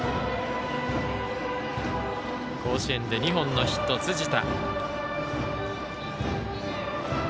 甲子園で２本のヒット、辻田。